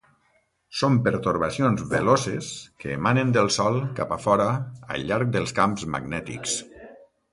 Són pertorbacions veloces que emanen del Sol cap a fora al llarg dels camps magnètics.